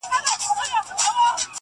مکمل یې خپل تحصیل په ښه اخلاص کئ,